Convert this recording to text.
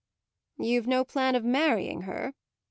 "You've no plan of marrying her?"